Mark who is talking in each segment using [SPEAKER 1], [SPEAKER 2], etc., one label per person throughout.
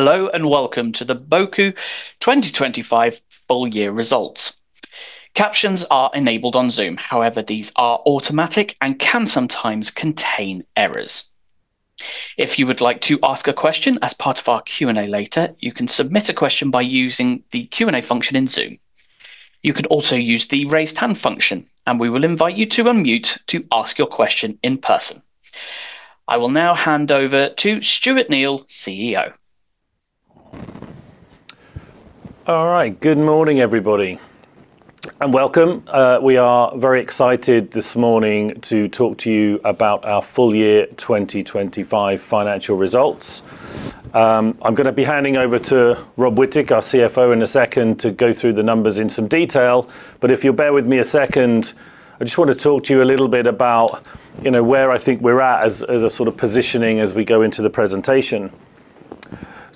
[SPEAKER 1] Hello and welcome to the Boku 2025 full year results. Captions are enabled on Zoom. However, these are automatic and can sometimes contain errors. If you would like to ask a question as part of our Q&A later, you can submit a question by using the Q&A function in Zoom. You can also use the raise hand function, and we will invite you to unmute to ask your question in person. I will now hand over to Stuart Neal, CEO.
[SPEAKER 2] All right. Good morning, everybody, and welcome. We are very excited this morning to talk to you about our full year 2025 financial results. I'm gonna be handing over to Rob Whittick, our CFO, in a second to go through the numbers in some detail, but if you'll bear with me a second, I just wanna talk to you a little bit about, you know, where I think we're at as a sort of positioning as we go into the presentation.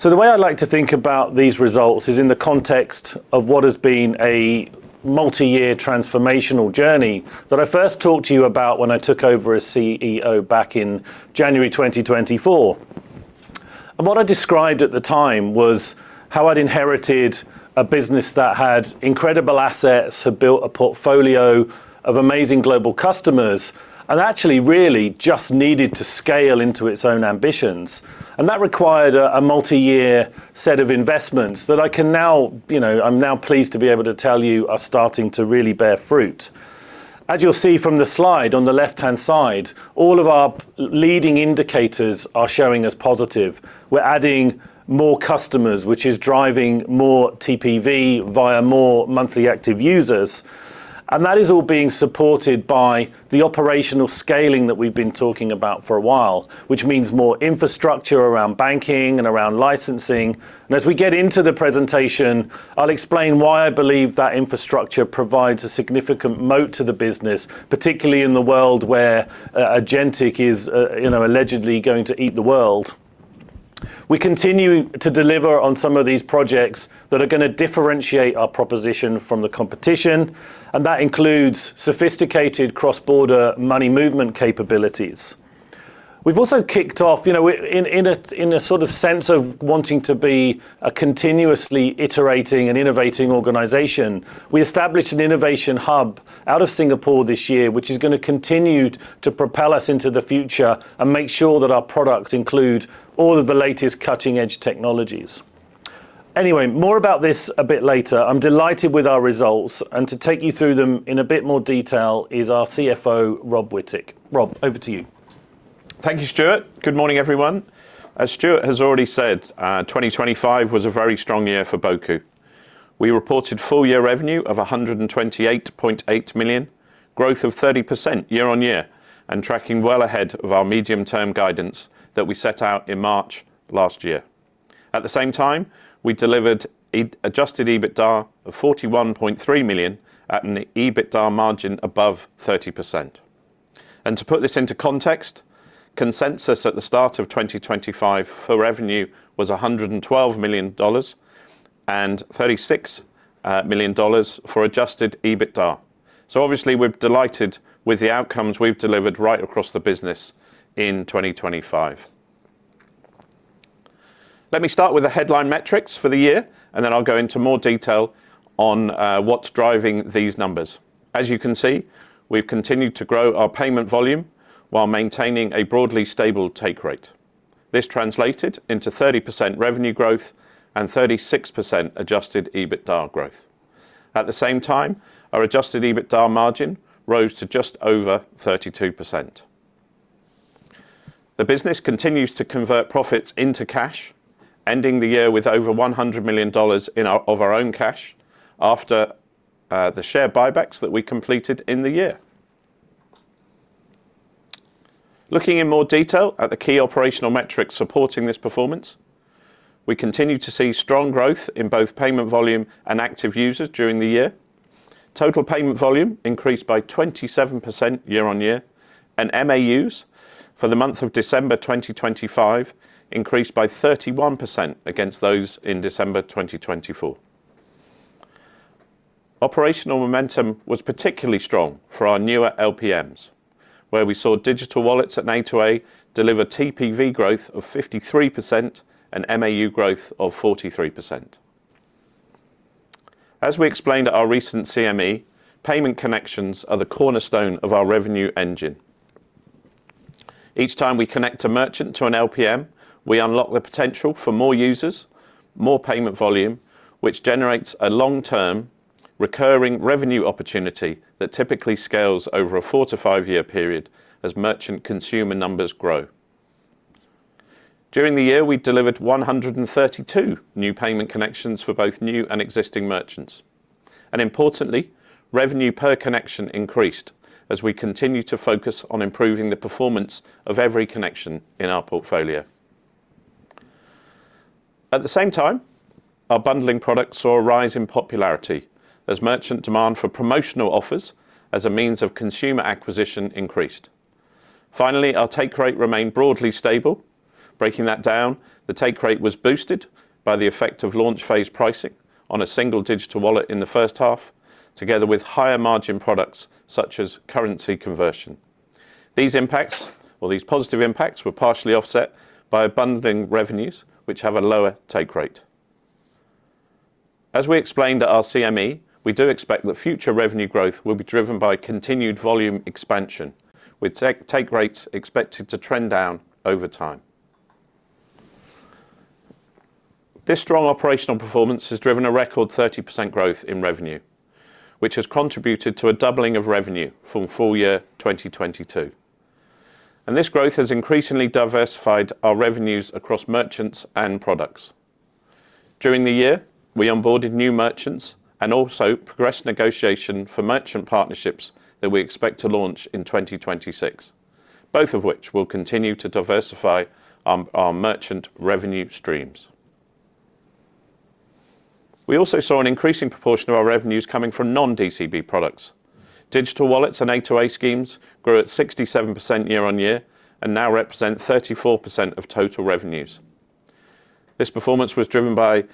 [SPEAKER 2] The way I like to think about these results is in the context of what has been a multi-year transformational journey that I first talked to you about when I took over as CEO back in January 2024. what I described at the time was how I'd inherited a business that had incredible assets, had built a portfolio of amazing global customers, and actually really just needed to scale into its own ambitions. That required a multi-year set of investments that I can now, you know, I'm now pleased to be able to tell you are starting to really bear fruit. As you'll see from the slide on the left-hand side, all of our leading indicators are showing as positive. We're adding more customers, which is driving more TPV via more monthly active users, and that is all being supported by the operational scaling that we've been talking about for a while, which means more infrastructure around banking and around licensing. As we get into the presentation, I'll explain why I believe that infrastructure provides a significant moat to the business, particularly in the world where agentic is, you know, allegedly going to eat the world. We continue to deliver on some of these projects that are gonna differentiate our proposition from the competition, and that includes sophisticated cross-border money movement capabilities. We've also kicked off, you know, in a sort of sense of wanting to be a continuously iterating and innovating organization. We established an innovation hub out of Singapore this year, which is gonna continue to propel us into the future and make sure that our products include all of the latest cutting-edge technologies. Anyway, more about this a bit later. I'm delighted with our results, and to take you through them in a bit more detail is our CFO, Rob Whittick. Rob, over to you.
[SPEAKER 3] Thank you, Stuart. Good morning, everyone. As Stuart has already said, 2025 was a very strong year for Boku. We reported full year revenue of $128.8 million, growth of 30% year-on-year, and tracking well ahead of our medium-term guidance that we set out in March last year. At the same time, we delivered adjusted EBITDA of $41.3 million at an EBITDA margin above 30%. To put this into context, consensus at the start of 2025 for revenue was $112 million and $36 million for adjusted EBITDA. Obviously we're delighted with the outcomes we've delivered right across the business in 2025. Let me start with the headline metrics for the year, and then I'll go into more detail on what's driving these numbers. As you can see, we've continued to grow our payment volume while maintaining a broadly stable take rate. This translated into 30% revenue growth and 36% adjusted EBITDA growth. At the same time, our adjusted EBITDA margin rose to just over 32%. The business continues to convert profits into cash, ending the year with over $100 million in our own cash after the share buybacks that we completed in the year. Looking in more detail at the key operational metrics supporting this performance, we continue to see strong growth in both payment volume and active users during the year. Total payment volume increased by 27% year-on-year, and MAUs for the month of December 2025 increased by 31% against those in December 2024. Operational momentum was particularly strong for our newer LPMs, where we saw digital wallets and A2A deliver TPV growth of 53% and MAU growth of 43%. As we explained at our recent CMD, payment connections are the cornerstone of our revenue engine. Each time we connect a merchant to an LPM, we unlock the potential for more users, more payment volume, which generates a long-term recurring revenue opportunity that typically scales over a four to five year period as merchant consumer numbers grow. During the year, we delivered 132 new payment connections for both new and existing merchants. Importantly, revenue per connection increased as we continue to focus on improving the performance of every connection in our portfolio. At the same time, our bundling products saw a rise in popularity as merchant demand for promotional offers as a means of consumer acquisition increased. Finally, our take rate remained broadly stable. Breaking that down, the take rate was boosted by the effect of launch phase pricing on a single digital wallet in the first half, together with higher margin products such as currency conversion. These impacts or these positive impacts were partially offset by bundling revenues, which have a lower take rate. As we explained at our CMD, we do expect that future revenue growth will be driven by continued volume expansion, with take rates expected to trend down over time. This strong operational performance has driven a record 30% growth in revenue, which has contributed to a doubling of revenue from full year 2022. This growth has increasingly diversified our revenues across merchants and products. During the year, we onboarded new merchants and also progressed negotiation for merchant partnerships that we expect to launch in 2026, both of which will continue to diversify our merchant revenue streams. We also saw an increasing proportion of our revenues coming from non-DCB products. Digital wallets and A2A schemes grew at 67% year-on-year and now represent 34% of total revenues. This performance was driven by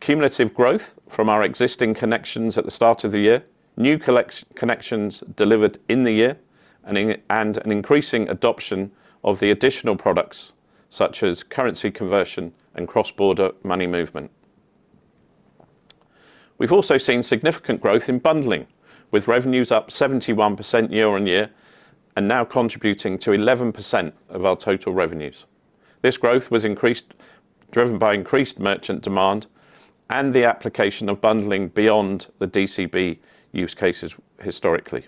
[SPEAKER 3] cumulative growth from our existing connections at the start of the year. New collect-connections delivered in the year and an increasing adoption of the additional products such as currency conversion and cross-border money movement. We've also seen significant growth in bundling, with revenues up 71% year-on-year and now contributing to 11% of our total revenues. This growth was driven by increased merchant demand and the application of bundling beyond the DCB use cases historically.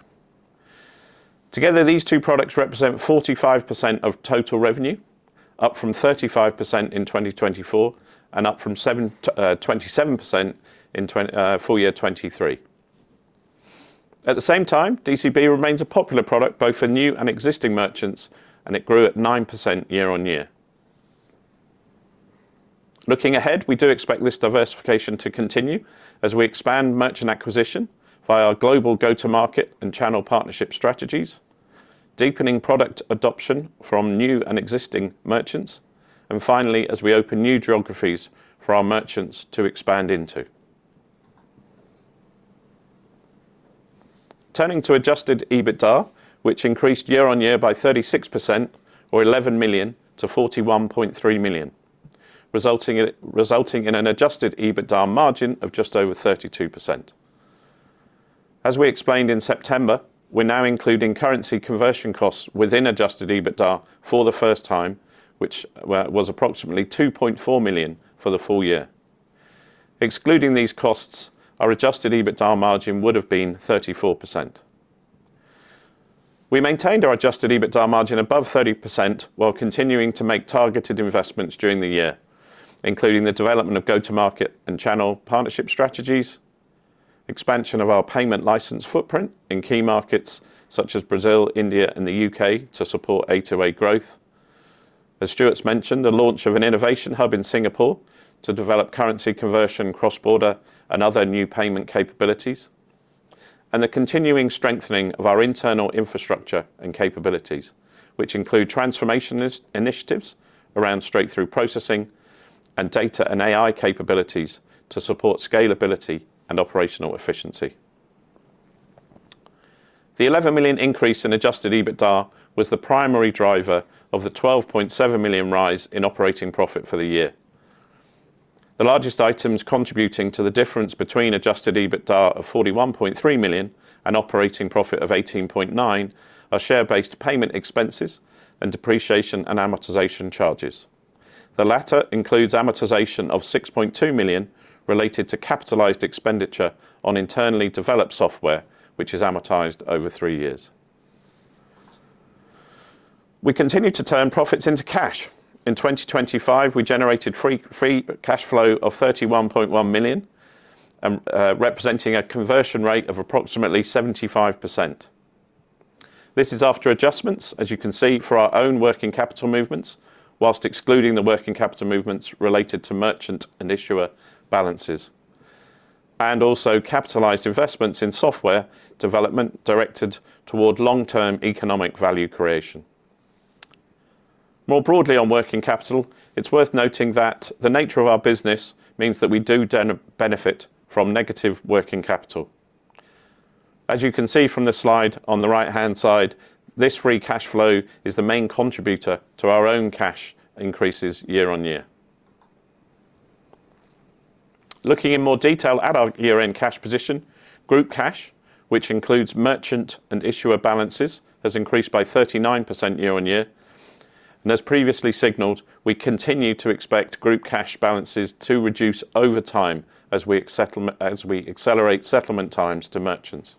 [SPEAKER 3] Together, these two products represent 45% of total revenue, up from 35% in 2024 and up from 27% in full year 2023. At the same time, DCB remains a popular product both for new and existing merchants, and it grew at 9% year-on-year. Looking ahead, we do expect this diversification to continue as we expand merchant acquisition via our global go-to-market and channel partnership strategies, deepening product adoption from new and existing merchants, and finally, as we open new geographies for our merchants to expand into. Turning to adjusted EBITDA, which increased year-on-year by 36% or $11 million-$41.3 million, resulting in an adjusted EBITDA margin of just over 32%. As we explained in September, we're now including currency conversion costs within adjusted EBITDA for the first time, which was approximately $2.4 million for the full year. Excluding these costs, our adjusted EBITDA margin would have been 34%. We maintained our adjusted EBITDA margin above 30% while continuing to make targeted investments during the year, including the development of go-to-market and channel partnership strategies, expansion of our payment license footprint in key markets such as Brazil, India, and the U.K. to support A2A growth. As Stuart has mentioned, the launch of an innovation hub in Singapore to develop currency conversion, cross-border, and other new payment capabilities, and the continuing strengthening of our internal infrastructure and capabilities, which include transformational initiatives around straight-through processing and data and AI capabilities to support scalability and operational efficiency. The $11 million increase in adjusted EBITDA was the primary driver of the $12.7 million rise in operating profit for the year. The largest items contributing to the difference between adjusted EBITDA of $41.3 million and operating profit of $18.9 million are share-based payment expenses and depreciation and amortization charges. The latter includes amortization of $6.2 million related to capitalized expenditure on internally developed software, which is amortized over three years. We continue to turn profits into cash. In 2025, we generated free cash flow of $31.1 million, representing a conversion rate of approximately 75%. This is after adjustments, as you can see, for our own working capital movements, while excluding the working capital movements related to merchant and issuer balances, and also capitalized investments in software development directed toward long-term economic value creation. More broadly on working capital, it's worth noting that the nature of our business means that we do benefit from negative working capital. As you can see from the slide on the right-hand side, this free cash flow is the main contributor to our own cash increases year-on-year. Looking in more detail at our year-end cash position, group cash, which includes merchant and issuer balances, has increased by 39% year-on-year. As previously signaled, we continue to expect group cash balances to reduce over time as we accelerate settlement times to merchants.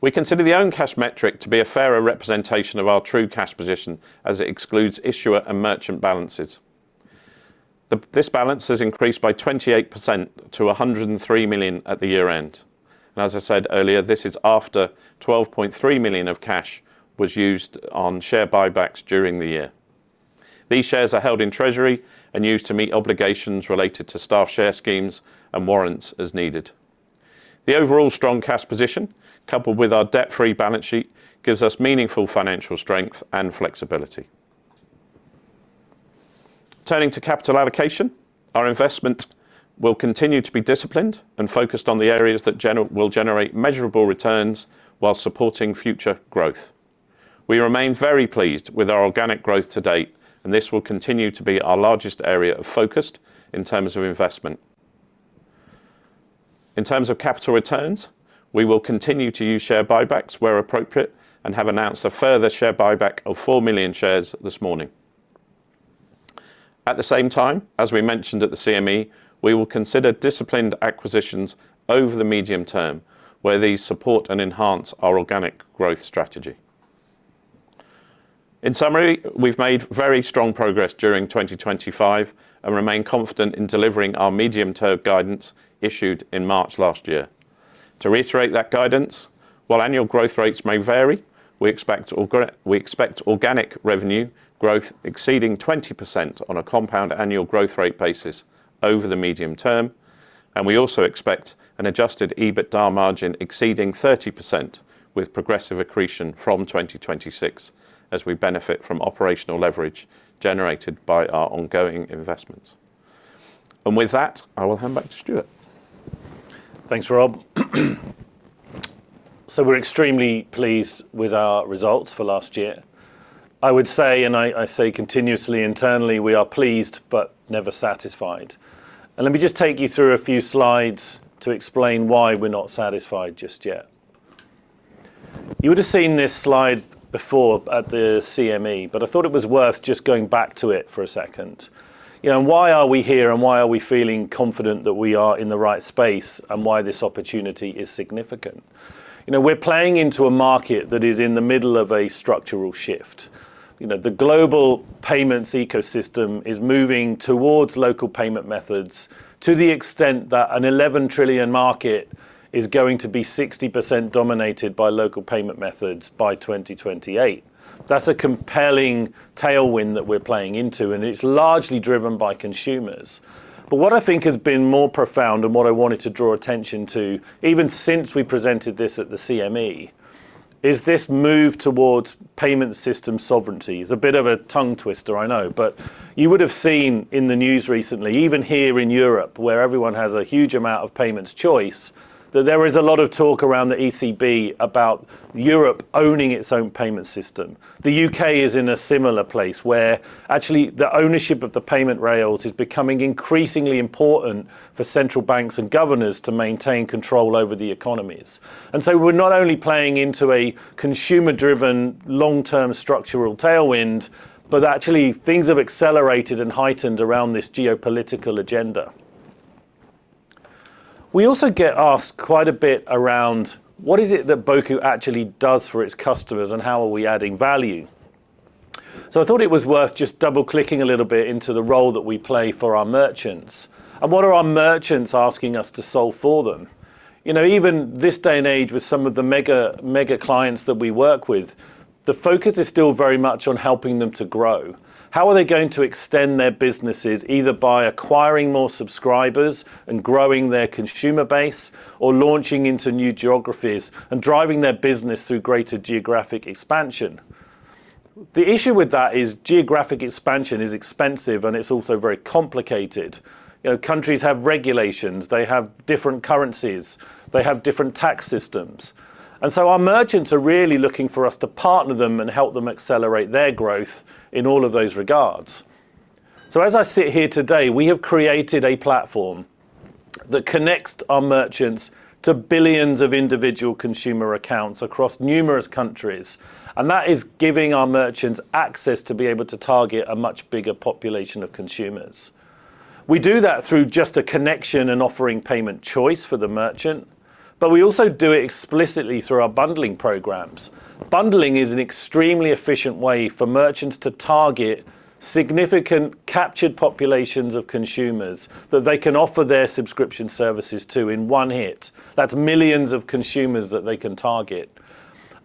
[SPEAKER 3] We consider the own cash metric to be a fairer representation of our true cash position as it excludes issuer and merchant balances. This balance has increased by 28% to $103 million at the year-end. As I said earlier, this is after $12.3 million of cash was used on share buybacks during the year. These shares are held in treasury and used to meet obligations related to staff share schemes and warrants as needed. The overall strong cash position, coupled with our debt-free balance sheet, gives us meaningful financial strength and flexibility. Turning to capital allocation, our investment will continue to be disciplined and focused on the areas that will generate measurable returns while supporting future growth. We remain very pleased with our organic growth to date, and this will continue to be our largest area of focus in terms of investment. In terms of capital returns, we will continue to use share buybacks where appropriate and have announced a further share buyback of 4 million shares this morning. At the same time, as we mentioned at the CMD, we will consider disciplined acquisitions over the medium term, where these support and enhance our organic growth strategy. In summary, we've made very strong progress during 2025 and remain confident in delivering our medium-term guidance issued in March last year. To reiterate that guidance, while annual growth rates may vary, we expect organic revenue growth exceeding 20% on a compound annual growth rate basis over the medium term. We also expect an adjusted EBITDA margin exceeding 30% with progressive accretion from 2026 as we benefit from operational leverage generated by our ongoing investments. With that, I will hand back to Stuart.
[SPEAKER 2] Thanks, Rob. We're extremely pleased with our results for last year. I would say, and I say continuously internally, we are pleased but never satisfied. Let me just take you through a few slides to explain why we're not satisfied just yet. You would have seen this slide before at the CMD, but I thought it was worth just going back to it for a second. You know, why are we here and why are we feeling confident that we are in the right space and why this opportunity is significant? You know, we're playing into a market that is in the middle of a structural shift. You know, the global payments ecosystem is moving towards local payment methods to the extent that a $11 trillion market is going to be 60% dominated by local payment methods by 2028. That's a compelling tailwind that we're playing into, and it's largely driven by consumers. What I think has been more profound and what I wanted to draw attention to, even since we presented this at the CMD, is this move towards payment system sovereignty. It's a bit of a tongue twister, I know. You would have seen in the news recently, even here in Europe, where everyone has a huge amount of payments choice, that there is a lot of talk around the ECB about Europe owning its own payment system. The U.K. is in a similar place where actually the ownership of the payment rails is becoming increasingly important for central banks and governors to maintain control over the economies. We're not only playing into a consumer-driven long-term structural tailwind, but actually things have accelerated and heightened around this geopolitical agenda. We also get asked quite a bit around what is it that Boku actually does for its customers and how are we adding value. I thought it was worth just double-clicking a little bit into the role that we play for our merchants and what are our merchants asking us to solve for them. You know, even this day and age, with some of the mega clients that we work with, the focus is still very much on helping them to grow. How are they going to extend their businesses, either by acquiring more subscribers and growing their consumer base or launching into new geographies and driving their business through greater geographic expansion? The issue with that is geographic expansion is expensive, and it's also very complicated. You know, countries have regulations, they have different currencies, they have different tax systems. Our merchants are really looking for us to partner them and help them accelerate their growth in all of those regards. As I sit here today, we have created a platform that connects our merchants to billions of individual consumer accounts across numerous countries. That is giving our merchants access to be able to target a much bigger population of consumers. We do that through just a connection and offering payment choice for the merchant, but we also do it explicitly through our bundling programs. Bundling is an extremely efficient way for merchants to target significant captured populations of consumers that they can offer their subscription services to in one hit. That's millions of consumers that they can target.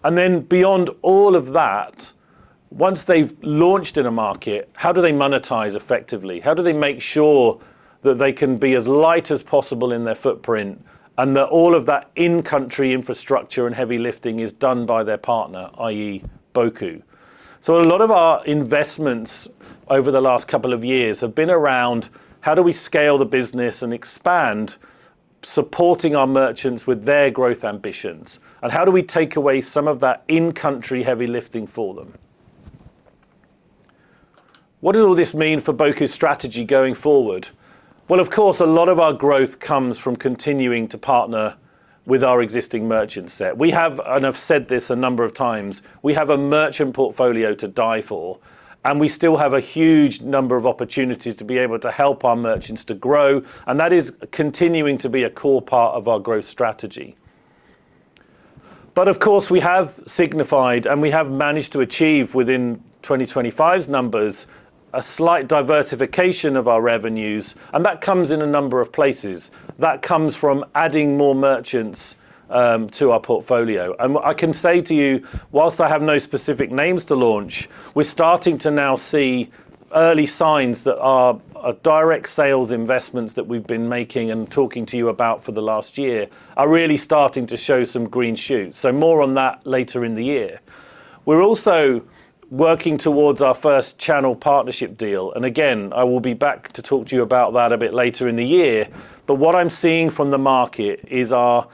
[SPEAKER 2] Beyond all of that, once they've launched in a market, how do they monetize effectively? How do they make sure that they can be as light as possible in their footprint and that all of that in-country infrastructure and heavy lifting is done by their partner, i.e. Boku? A lot of our investments over the last couple of years have been around how do we scale the business and expand, supporting our merchants with their growth ambitions, and how do we take away some of that in-country heavy lifting for them. What does all this mean for Boku's strategy going forward? Well, of course, a lot of our growth comes from continuing to partner with our existing merchant set. We have, and I've said this a number of times, we have a merchant portfolio to die for, and we still have a huge number of opportunities to be able to help our merchants to grow, and that is continuing to be a core part of our growth strategy. Of course, we have signified and we have managed to achieve within 2025's numbers a slight diversification of our revenues, and that comes in a number of places. That comes from adding more merchants to our portfolio. I can say to you, while I have no specific names to launch, we're starting to now see early signs that our direct sales investments that we've been making and talking to you about for the last year are really starting to show some green shoots. More on that later in the year. We're also working towards our first channel partnership deal, and again, I will be back to talk to you about that a bit later in the year. What I'm seeing from the market is our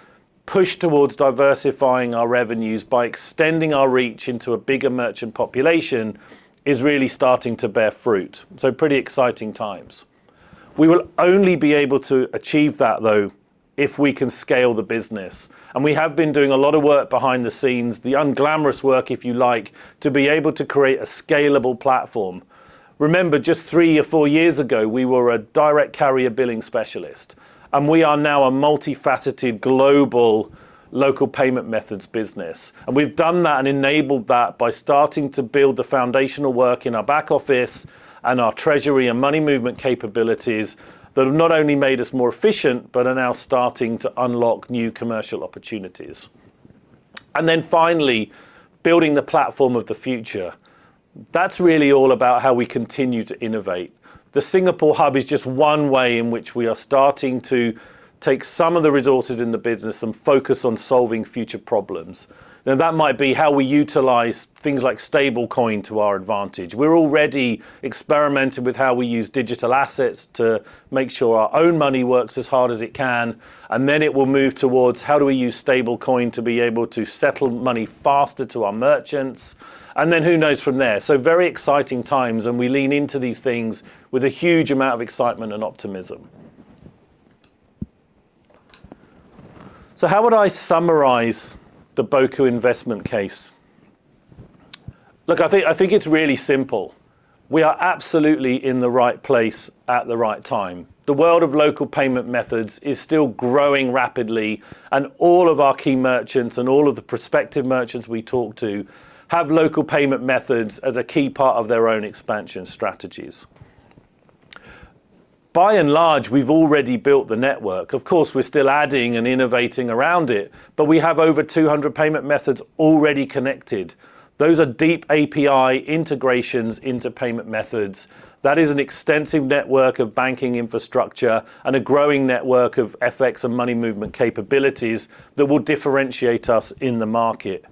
[SPEAKER 2] push towards diversifying our revenues by extending our reach into a bigger merchant population is really starting to bear fruit. Pretty exciting times. We will only be able to achieve that though if we can scale the business. We have been doing a lot of work behind the scenes, the unglamorous work, if you like, to be able to create a scalable platform. Remember, just three or four years ago, we were a direct carrier billing specialist, and we are now a multifaceted global local payment methods business. We've done that and enabled that by starting to build the foundational work in our back office and our treasury and money movement capabilities that have not only made us more efficient, but are now starting to unlock new commercial opportunities. Finally, building the platform of the future. That's really all about how we continue to innovate. The Singapore hub is just one way in which we are starting to take some of the resources in the business and focus on solving future problems. Now, that might be how we utilize things like stablecoin to our advantage. We're already experimenting with how we use digital assets to make sure our own money works as hard as it can, and then it will move towards how do we use stablecoin to be able to settle money faster to our merchants, and then who knows from there. Very exciting times, and we lean into these things with a huge amount of excitement and optimism. How would I summarize the Boku investment case? Look, I think it's really simple. We are absolutely in the right place at the right time. The world of local payment methods is still growing rapidly, and all of our key merchants and all of the prospective merchants we talk to have local payment methods as a key part of their own expansion strategies. By and large, we've already built the network. Of course, we're still adding and innovating around it, but we have over 200 payment methods already connected. Those are deep API integrations into payment methods. That is an extensive network of banking infrastructure and a growing network of FX and money movement capabilities that will differentiate us in the market.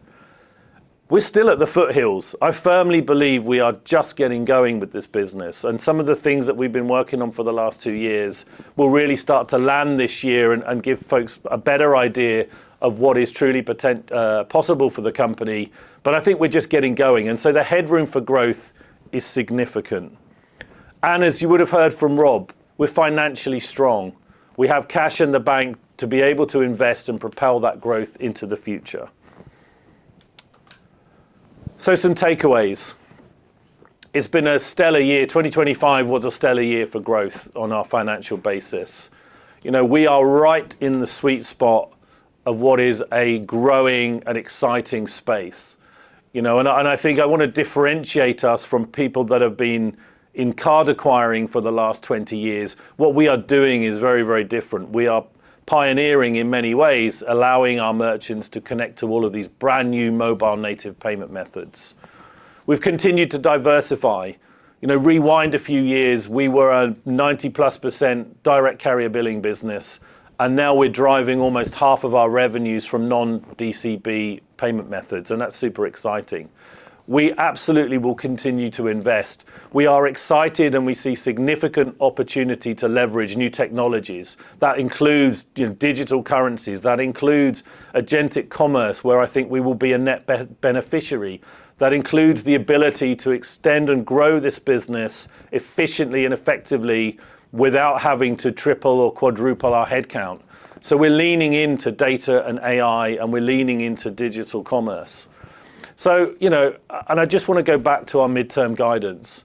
[SPEAKER 2] We're still at the foothills. I firmly believe we are just getting going with this business, and some of the things that we've been working on for the last two years will really start to land this year and give folks a better idea of what is truly potent, possible for the company. I think we're just getting going, and so the headroom for growth is significant. As you would have heard from Rob, we're financially strong. We have cash in the bank to be able to invest and propel that growth into the future. Some takeaways. It's been a stellar year. 2025 was a stellar year for growth on our financial basis. You know, we are right in the sweet spot of what is a growing and exciting space. You know, I think I want to differentiate us from people that have been in card acquiring for the last 20 years. What we are doing is very, very different. We are pioneering in many ways, allowing our merchants to connect to all of these brand-new mobile native payment methods. We've continued to diversify. You know, rewind a few years, we were a 90%+ Direct Carrier Billing business, and now we're driving almost half of our revenues from non-DCB payment methods, and that's super exciting. We absolutely will continue to invest. We are excited, and we see significant opportunity to leverage new technologies. That includes digital currencies. That includes agentic commerce, where I think we will be a net beneficiary. That includes the ability to extend and grow this business efficiently and effectively without having to triple or quadruple our headcount. We're leaning into data and AI, and we're leaning into digital commerce. You know, I just wanna go back to our midterm guidance.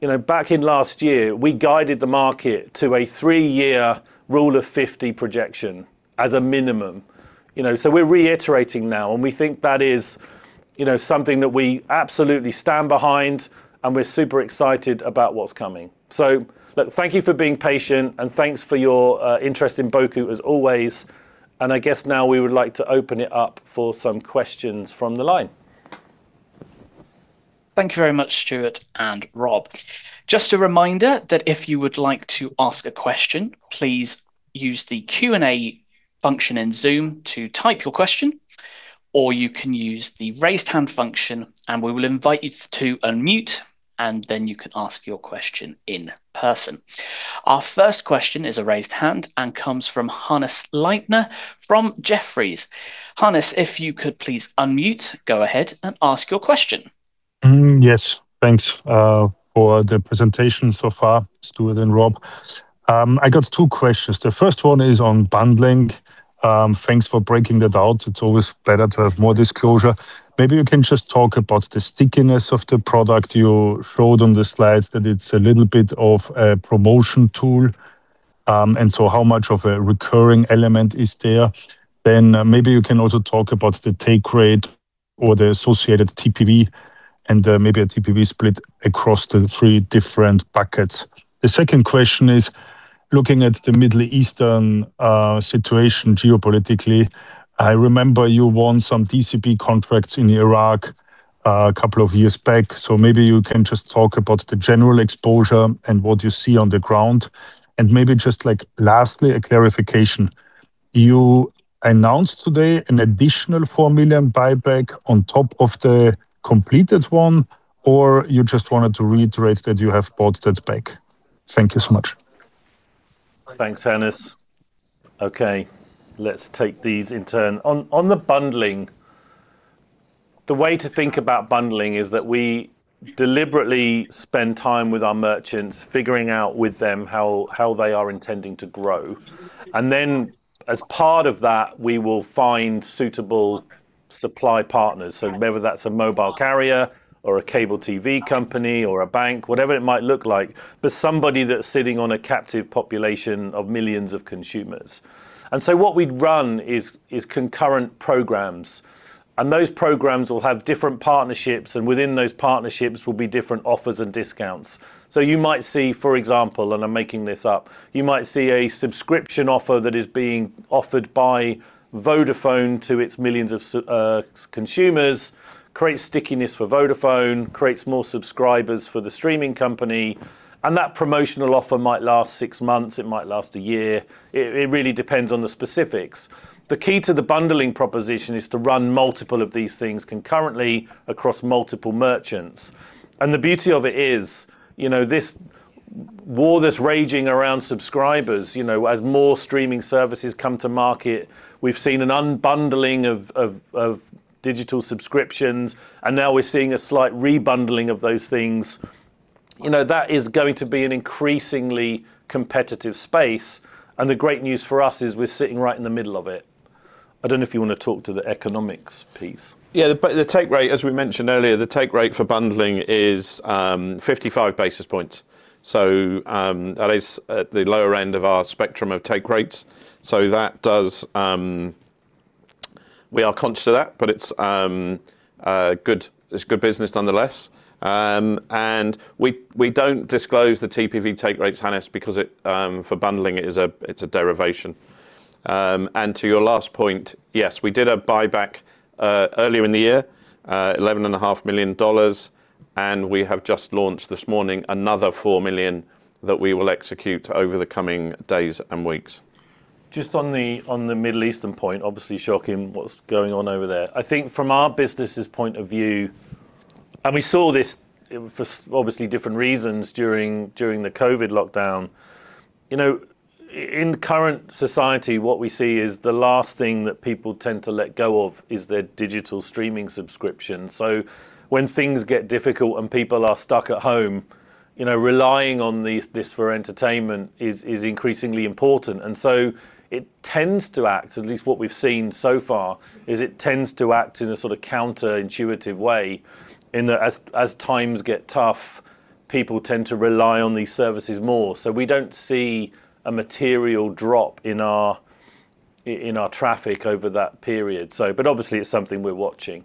[SPEAKER 2] You know, back in last year, we guided the market to a three-year rule of fifty projection as a minimum. You know, we're reiterating now, and we think that is, you know, something that we absolutely stand behind, and we're super excited about what's coming. Look, thank you for being patient, and thanks for your interest in Boku as always, and I guess now we would like to open it up for some questions from the line.
[SPEAKER 1] Thank you very much, Stuart and Rob. Just a reminder that if you would like to ask a question, please use the Q&A function in Zoom to type your question, or you can use the raise hand function, and we will invite you to unmute, and then you can ask your question in person. Our first question is a raised hand and comes from Hannes Leitner from Jefferies. Hannes, if you could please unmute, go ahead and ask your question.
[SPEAKER 4] Yes. Thanks for the presentation so far, Stuart and Rob. I got two questions. The first one is on bundling. Thanks for breaking that out. It's always better to have more disclosure. Maybe you can just talk about the stickiness of the product. You showed on the slides that it's a little bit of a promotion tool, and so how much of a recurring element is there? Then maybe you can also talk about the take rate or the associated TPV and maybe a TPV split across the three different buckets. The second question is looking at the Middle Eastern situation geopolitically. I remember you won some DCB contracts in Iraq a couple of years back, so maybe you can just talk about the general exposure and what you see on the ground, and maybe just like, lastly, a clarification. You announced today an additional $4 million buyback on top of the completed one, or you just wanted to reiterate that you have bought that back? Thank you so much.
[SPEAKER 2] Thanks, Hannes. Okay, let's take these in turn. On the bundling, the way to think about bundling is that we deliberately spend time with our merchants, figuring out with them how they are intending to grow. Then as part of that, we will find suitable supply partners. Whether that's a mobile carrier or a cable TV company or a bank, whatever it might look like, but somebody that's sitting on a captive population of millions of consumers. What we'd run is concurrent programs, and those programs will have different partnerships, and within those partnerships will be different offers and discounts. You might see, for example, and I'm making this up, you might see a subscription offer that is being offered by Vodafone to its millions of consumers. Creates stickiness for Vodafone, creates more subscribers for the streaming company, and that promotional offer might last six months, it might last a year. It really depends on the specifics. The key to the bundling proposition is to run multiple of these things concurrently across multiple merchants. The beauty of it is, you know, this war that's raging around subscribers, you know, as more streaming services come to market, we've seen an unbundling of digital subscriptions, and now we're seeing a slight re-bundling of those things. You know, that is going to be an increasingly competitive space, and the great news for us is we're sitting right in the middle of it. I don't know if you wanna talk to the economics piece.
[SPEAKER 3] Yeah. The take rate, as we mentioned earlier, the take rate for bundling is 55 basis points. That is at the lower end of our spectrum of take rates. That does, we are conscious of that, but it's good. It's good business nonetheless. We don't disclose the TPV take rates, Hannes, because for bundling it's a derivation. To your last point, yes, we did a buyback earlier in the year, $11.5 million, and we have just launched this morning another $4 million that we will execute over the coming days and weeks.
[SPEAKER 2] Just on the Middle Eastern point, obviously shocking what's going on over there. I think from our business' point of view, we saw this for obviously different reasons during the COVID lockdown, you know, in current society, what we see is the last thing that people tend to let go of is their digital streaming subscription. When things get difficult and people are stuck at home, you know, relying on this for entertainment is increasingly important. It tends to act, at least what we've seen so far, in a sort of counter-intuitive way in that as times get tough, people tend to rely on these services more. We don't see a material drop in our traffic over that period. But obviously it's something we're watching.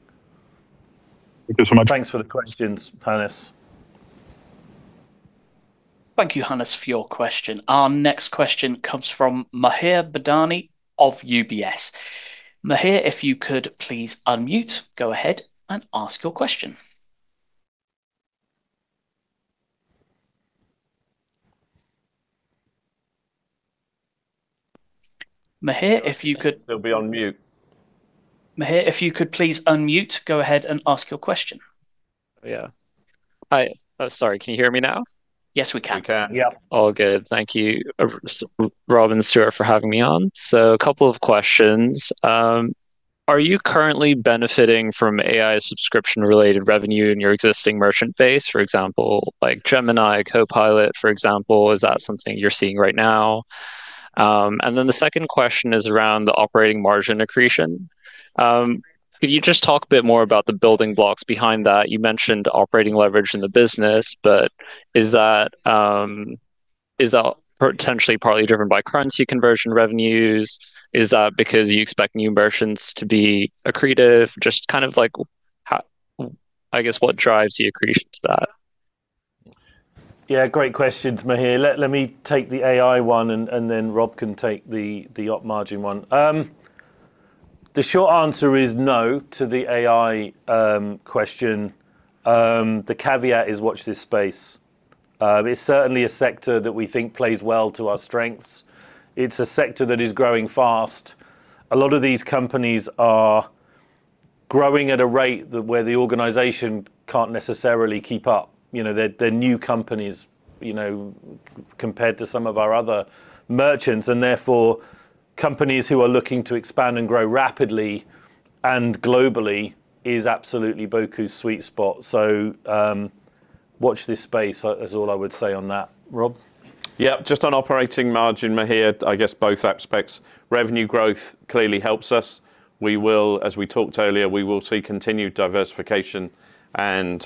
[SPEAKER 4] Thank you so much.
[SPEAKER 2] Thanks for the questions, Hannes.
[SPEAKER 1] Thank you, Hannes, for your question. Our next question comes from Mahir Badani of UBS. Mahir, if you could please unmute. Go ahead and ask your question.
[SPEAKER 2] Still be on mute.
[SPEAKER 1] Mahir, if you could please unmute, go ahead and ask your question.
[SPEAKER 5] Yeah. Oh, sorry. Can you hear me now?
[SPEAKER 1] Yes, we can.
[SPEAKER 2] We can.
[SPEAKER 5] Yeah. All good. Thank you, Rob and Stuart for having me on. A couple of questions. Are you currently benefiting from AI subscription-related revenue in your existing merchant base? For example, like Gemini, Copilot, for example, is that something you're seeing right now? And then the second question is around the operating margin accretion. Could you just talk a bit more about the building blocks behind that? You mentioned operating leverage in the business, but is that potentially partly driven by currency conversion revenues? Is that because you expect new merchants to be accretive? Just kind of like I guess, what drives the accretion to that?
[SPEAKER 2] Yeah. Great questions, Mahir. Let me take the AI one and then Rob can take the op margin one. The short answer is no to the AI question. The caveat is watch this space. It's certainly a sector that we think plays well to our strengths. It's a sector that is growing fast. A lot of these companies are growing at a rate where the organization can't necessarily keep up. You know, they're new companies, you know, compared to some of our other merchants, and therefore companies who are looking to expand and grow rapidly and globally is absolutely Boku's sweet spot. Watch this space is all I would say on that. Rob?
[SPEAKER 3] Yeah. Just on operating margin, Mahir, I guess both aspects. Revenue growth clearly helps us. We will, as we talked earlier, see continued diversification and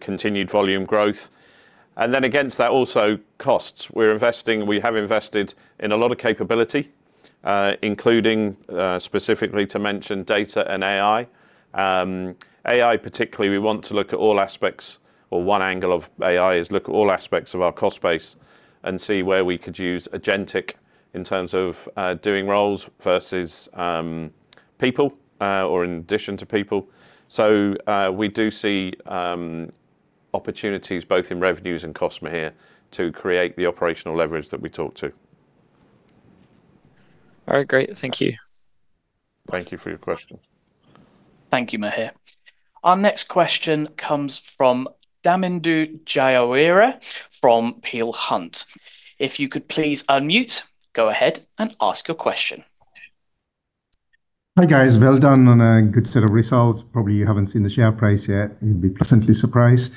[SPEAKER 3] continued volume growth. Against that also costs. We have invested in a lot of capability, including specifically to mention data and AI. AI particularly, we want to look at all aspects or one angle of AI is look at all aspects of our cost base and see where we could use agentic in terms of doing roles versus people or in addition to people. We do see opportunities both in revenues and cost, Mahir, to create the operational leverage that we talked about.
[SPEAKER 5] All right, great. Thank you.
[SPEAKER 3] Thank you for your question.
[SPEAKER 1] Thank you, Mahir. Our next question comes from Damindu Jayaweera from Peel Hunt. If you could please unmute, go ahead and ask your question.
[SPEAKER 6] Hi guys. Well done on a good set of results. Probably you haven't seen the share price yet. You'll be pleasantly surprised.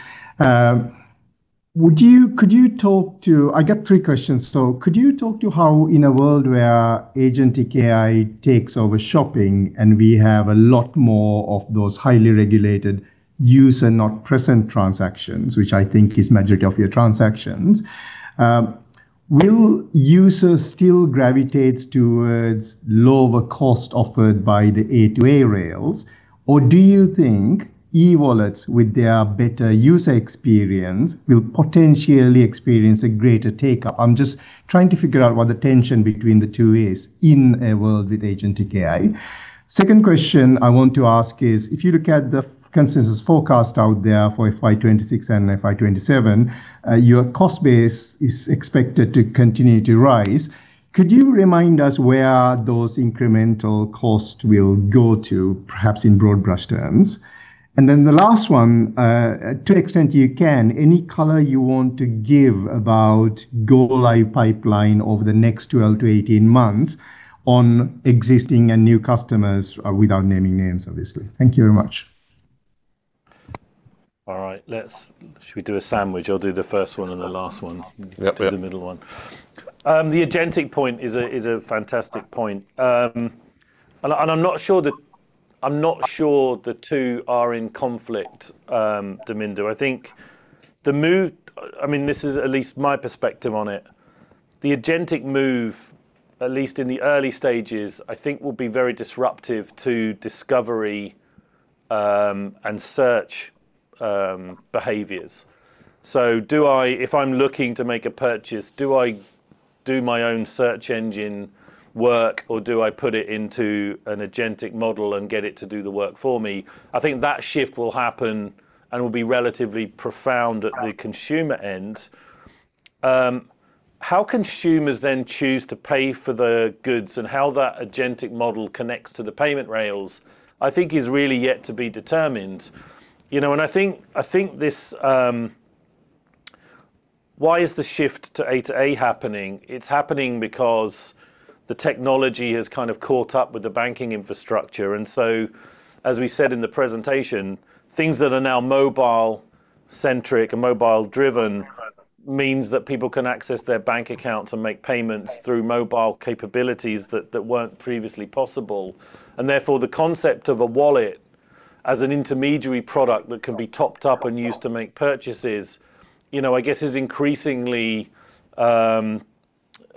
[SPEAKER 6] Could you talk to how in a world where agentic AI takes over shopping and we have a lot more of those highly regulated user not present transactions, which I think is majority of your transactions, will users still gravitate towards lower cost offered by the A2A rails or do you think e-wallets with their better user experience will potentially experience a greater take-up? I'm just trying to figure out what the tension between the two is in a world with agentic AI. Second question I want to ask is, if you look at the consensus forecast out there for FY 2026 and FY 2027, your cost base is expected to continue to rise. Could you remind us where those incremental costs will go to, perhaps in broad brush terms? The last one, to the extent you can, any color you want to give about go-live pipeline over the next 12-18 months on existing and new customers without naming names, obviously. Thank you very much.
[SPEAKER 2] All right. Shall we do a sandwich? I'll do the first one and the last one.
[SPEAKER 3] Yep.
[SPEAKER 2] You do the middle one. The agentic point is a fantastic point. I'm not sure the two are in conflict, Damindu. I think the move, I mean, this is at least my perspective on it. The agentic move, at least in the early stages, I think will be very disruptive to discovery and search behaviors. If I'm looking to make a purchase, do I do my own search engine work or do I put it into an agentic model and get it to do the work for me? I think that shift will happen and will be relatively profound at the consumer end. How consumers then choose to pay for the goods and how that agentic model connects to the payment rails, I think is really yet to be determined. You know, I think this, why is the shift to A2A happening? It's happening because the technology has kind of caught up with the banking infrastructure, and so as we said in the presentation, things that are now mobile-centric and mobile-driven means that people can access their bank accounts and make payments through mobile capabilities that weren't previously possible. Therefore, the concept of a wallet as an intermediary product that can be topped up and used to make purchases, you know, I guess is increasingly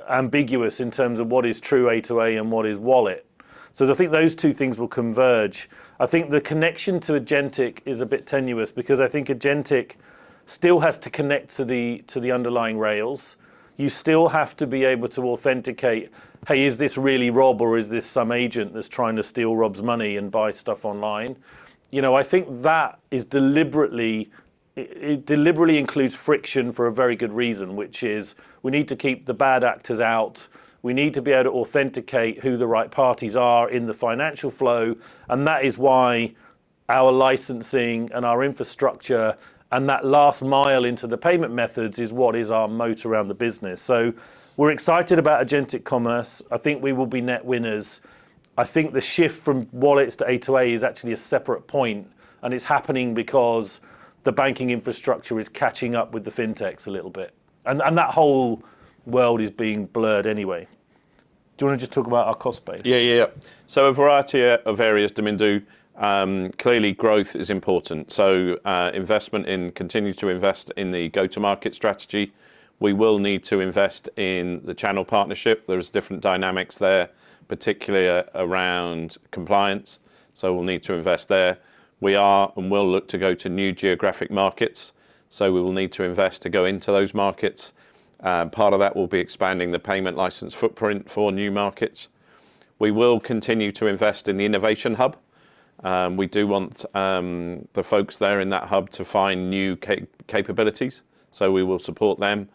[SPEAKER 2] ambiguous in terms of what is true A2A and what is wallet. I think those two things will converge. I think the connection to agentic is a bit tenuous because I think agentic still has to connect to the underlying rails. You still have to be able to authenticate, "Hey, is this really Rob or is this some agent that's trying to steal Rob's money and buy stuff online?" You know, I think that is deliberately. It deliberately includes friction for a very good reason, which is we need to keep the bad actors out. We need to be able to authenticate who the right parties are in the financial flow, and that is why our licensing and our infrastructure and that last mile into the payment methods is what is our moat around the business. We're excited about agentic commerce. I think we will be net winners. I think the shift from wallets to A2A is actually a separate point, and it's happening because the banking infrastructure is catching up with the FinTechs a little bit, and that whole world is being blurred anyway. Do you wanna just talk about our cost base?
[SPEAKER 3] Yeah. A variety of areas, Damindu. Clearly growth is important, so continue to invest in the go-to-market strategy. We will need to invest in the channel partnership. There is different dynamics there, particularly around compliance, so we'll need to invest there. We are and will look to go to new geographic markets, so we will need to invest to go into those markets. Part of that will be expanding the payment license footprint for new markets. We will continue to invest in the innovation hub. We do want the folks there in that hub to find new capabilities, so we will support them.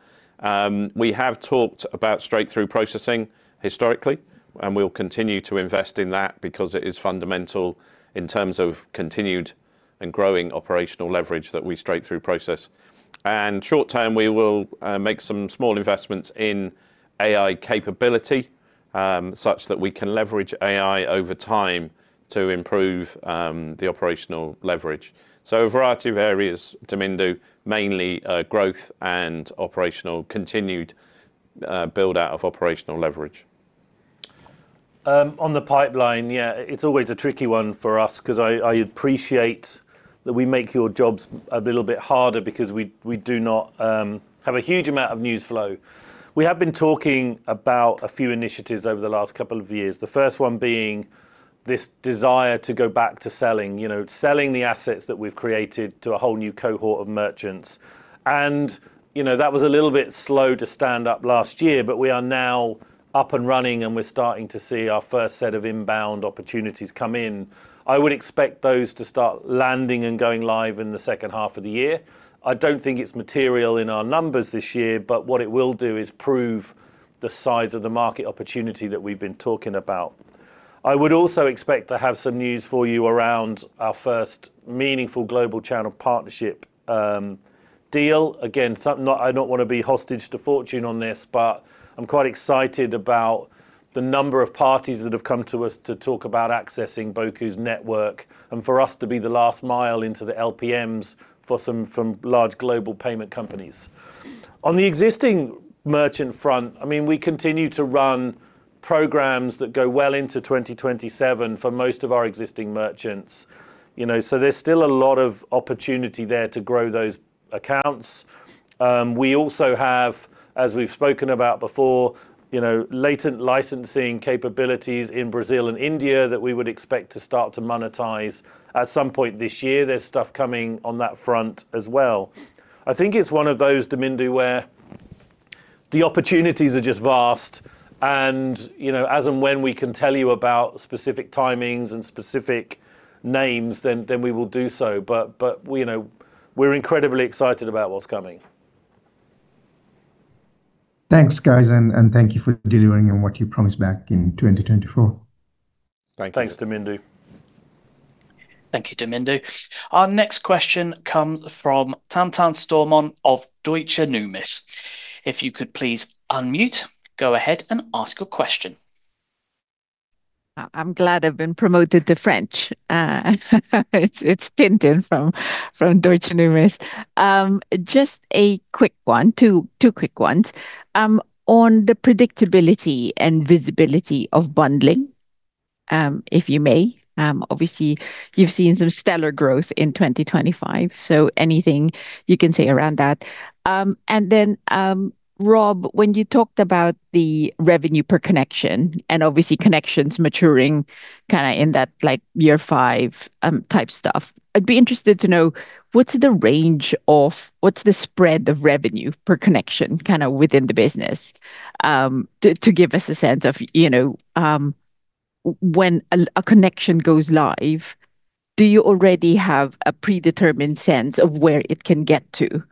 [SPEAKER 3] We have talked about straight-through processing historically, and we'll continue to invest in that because it is fundamental in terms of continued and growing operational leverage that we straight-through process. Short term, we will make some small investments in AI capability, such that we can leverage AI over time to improve the operational leverage. A variety of areas, Damindu, mainly growth and operational continued build-out of operational leverage.
[SPEAKER 2] On the pipeline, yeah, it's always a tricky one for us 'cause I appreciate that we make your jobs a little bit harder because we do not have a huge amount of news flow. We have been talking about a few initiatives over the last couple of years. The first one being this desire to go back to selling. You know, selling the assets that we've created to a whole new cohort of merchants. You know, that was a little bit slow to stand up last year, but we are now up and running, and we're starting to see our first set of inbound opportunities come in. I would expect those to start landing and going live in the second half of the year. I don't think it's material in our numbers this year, but what it will do is prove the size of the market opportunity that we've been talking about. I would also expect to have some news for you around our first meaningful global channel partnership deal. Again, I don't wanna be hostage to fortune on this, but I'm quite excited about the number of parties that have come to us to talk about accessing Boku's network and for us to be the last mile into the LPMs for some from large global payment companies. On the existing merchant front, I mean, we continue to run programs that go well into 2027 for most of our existing merchants, you know. There's still a lot of opportunity there to grow those accounts. We also have, as we've spoken about before, you know, latent licensing capabilities in Brazil and India that we would expect to start to monetize at some point this year. There's stuff coming on that front as well. I think it's one of those, Damindu, where the opportunities are just vast, and, you know, as and when we can tell you about specific timings and specific names, then we will do so. We, you know, we're incredibly excited about what's coming.
[SPEAKER 6] Thanks, guys, and thank you for delivering on what you promised back in 2024.
[SPEAKER 3] Thank you.
[SPEAKER 2] Thanks, Damindu.
[SPEAKER 1] Thank you, Damindu. Our next question comes from Tintin Stormont of Deutsche Numis. If you could please unmute, go ahead and ask your question.
[SPEAKER 7] I'm glad I've been promoted to the front. It's Tintin from Deutsche Numis. Just two quick ones on the predictability and visibility of bundling, if you may. Obviously you've seen some stellar growth in 2025, so anything you can say around that. And then, Rob, when you talked about the revenue per connection and obviously connections maturing kinda in that, like, year five type stuff, I'd be interested to know what's the spread of revenue per connection kinda within the business, to give us a sense of, you know, when a connection goes live, do you already have a predetermined sense of where it can get to?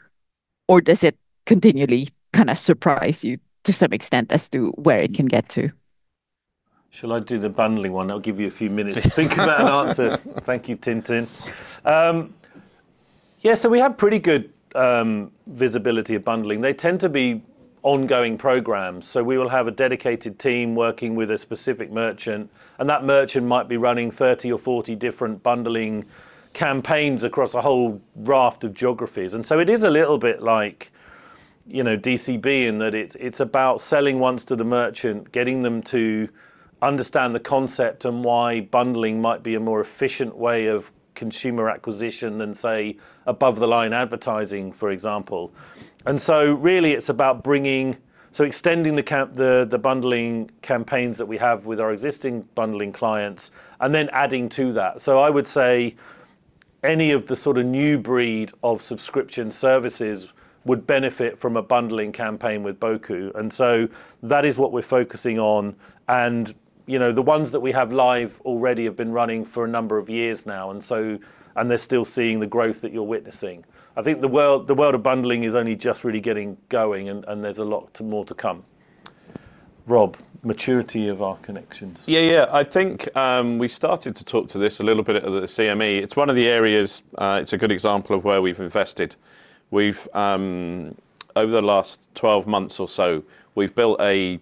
[SPEAKER 7] Or does it continually kinda surprise you to some extent as to where it can get to?
[SPEAKER 2] Shall I do the bundling one? I'll give you a few minutes to think about an answer. Thank you, Tintin. Yeah, we have pretty good visibility of bundling. They tend to be ongoing programs, so we will have a dedicated team working with a specific merchant, and that merchant might be running 30 or 40 different bundling campaigns across a whole raft of geographies. It is a little bit like, you know, DCB in that it's about selling once to the merchant, getting them to understand the concept and why bundling might be a more efficient way of consumer acquisition than, say, above-the-line advertising, for example. Really it's about extending the bundling campaigns that we have with our existing bundling clients and then adding to that. I would say any of the sorta new breed of subscription services would benefit from a bundling campaign with Boku. That is what we're focusing on. You know, the ones that we have live already have been running for a number of years now, and they're still seeing the growth that you're witnessing. I think the world of bundling is only just really getting going, and there's a lot more to come. Rob, maturity of our connections.
[SPEAKER 3] Yeah, yeah. I think we started to talk to this a little bit at the CMD. It's one of the areas, it's a good example of where we've invested. We've over the last 12 months or so, we've built a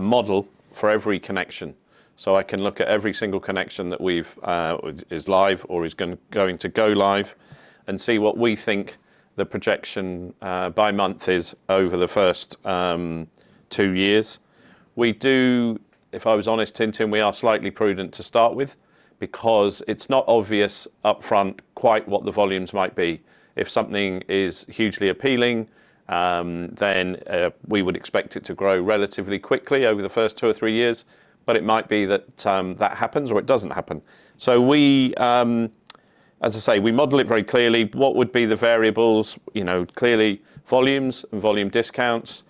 [SPEAKER 3] model for every connection. So I can look at every single connection that we've is live or is going to go live and see what we think the projection by month is over the first two years. We do, if I was honest, Tintin, we are slightly prudent to start with because it's not obvious upfront quite what the volumes might be. If something is hugely appealing, then we would expect it to grow relatively quickly over the first two or three years, but it might be that happens or it doesn't happen. We, as I say, we model it very clearly. What would be the variables? You know, clearly volumes and volume discounts,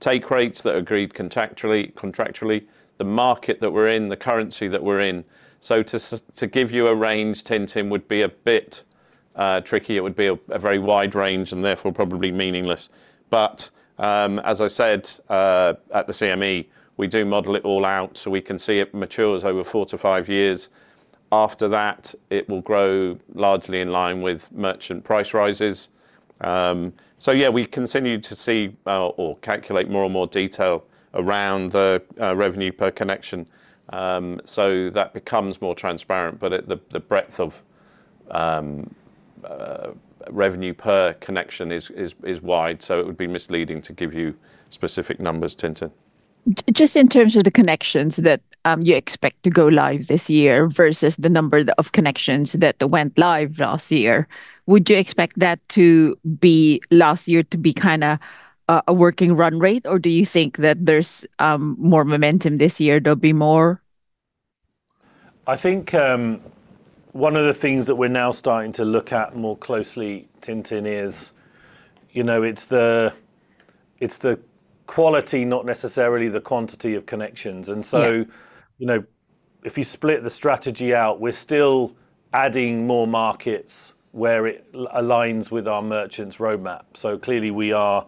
[SPEAKER 3] take rates that are agreed contractually, the market that we're in, the currency that we're in. To give you a range, Tintin Stormont, would be a bit tricky. It would be a very wide range and therefore probably meaningless. As I said, at the CMD, we do model it all out, so we can see it matures over four to five years. After that, it will grow largely in line with merchant price rises. Yeah, we continue to see or calculate more and more detail around the revenue per connection. That becomes more transparent, but at the breadth of revenue per connection is wide, so it would be misleading to give you specific numbers, Tintin.
[SPEAKER 7] Just in terms of the connections that you expect to go live this year versus the number of connections that went live last year, would you expect that to be last year kinda a working run rate? Or do you think that there's more momentum this year, there'll be more?
[SPEAKER 2] I think, one of the things that we're now starting to look at more closely, Tintin, is, you know, it's the quality, not necessarily the quantity of connections.
[SPEAKER 7] Yeah.
[SPEAKER 2] You know, if you split the strategy out, we're still adding more markets where it aligns with our merchants' roadmap. Clearly we are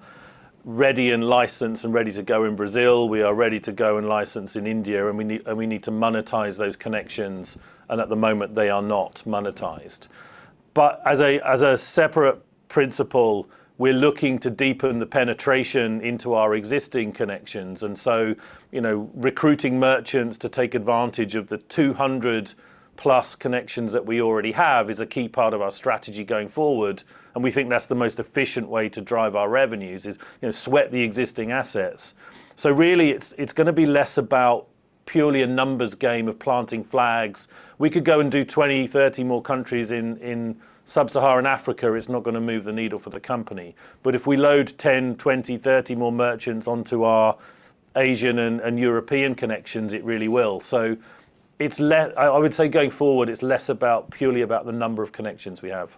[SPEAKER 2] ready and licensed and ready to go in Brazil. We are ready to go and license in India, and we need to monetize those connections, and at the moment they are not monetized. But as a separate principle, we're looking to deepen the penetration into our existing connections. You know, recruiting merchants to take advantage of the 200+ connections that we already have is a key part of our strategy going forward, and we think that's the most efficient way to drive our revenues is, you know, sweat the existing assets. Really it's gonna be less about- Purely a numbers game of planting flags. We could go and do 20, 30 more countries in Sub-Saharan Africa; it's not gonna move the needle for the company. If we load 10, 20, 30 more merchants onto our Asian and European connections, it really will. It's less. I would say going forward, it's less about purely about the number of connections we have.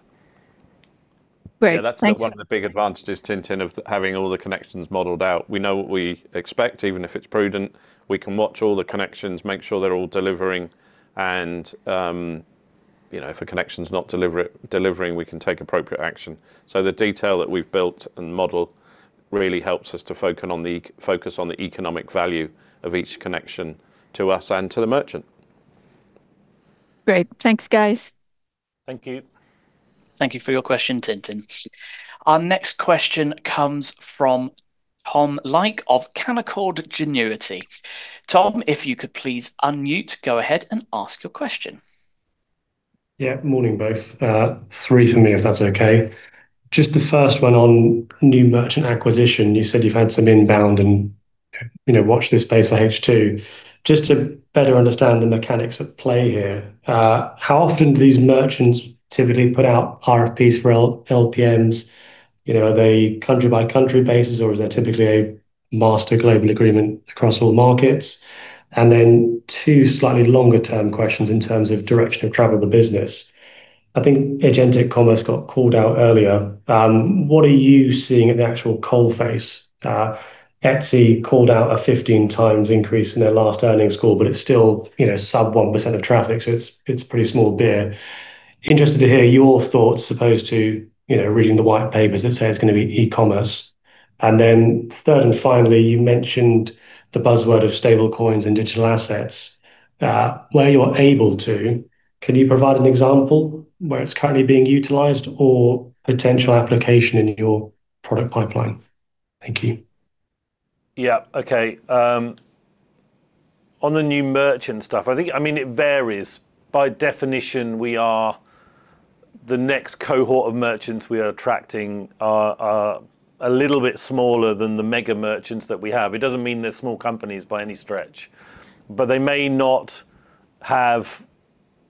[SPEAKER 7] Great. Thanks.
[SPEAKER 3] Yeah, that's one of the big advantages, Tintin, of having all the connections modeled out. We know what we expect, even if it's prudent. We can watch all the connections, make sure they're all delivering, and, you know, if a connection's not delivering, we can take appropriate action. The detail that we've built and modeled really helps us to focus on the economic value of each connection to us and to the merchant.
[SPEAKER 7] Great. Thanks, guys.
[SPEAKER 2] Thank you.
[SPEAKER 1] Thank you for your question, Tintin. Our next question comes from Tom Like of Canaccord Genuity. Tom, if you could please unmute, go ahead and ask your question.
[SPEAKER 8] Yeah. Morning, both. Three for me, if that's okay. Just the first one on new merchant acquisition. You said you've had some inbound and, you know, watch this space for H2. Just to better understand the mechanics at play here, how often do these merchants typically put out RFPs for LPMs? You know, are they country by country basis or is there typically a master global agreement across all markets? Two slightly longer term questions in terms of direction of travel the business. I think agentic commerce got called out earlier. What are you seeing at the actual coal face? Etsy called out a 15x increase in their last earnings call, but it's still, you know, sub 1% of traffic, so it's pretty small beer. Interested to hear your thoughts as opposed to, you know, reading the white papers that say it's gonna be e-commerce. Third and finally, you mentioned the buzzword of stablecoins and digital assets. Where you're able to, can you provide an example where it's currently being utilized or potential application in your product pipeline? Thank you.
[SPEAKER 2] Yeah. Okay. On the new merchant stuff, I think. I mean, it varies. By definition, the next cohort of merchants we are attracting are a little bit smaller than the mega merchants that we have. It doesn't mean they're small companies by any stretch. They may not have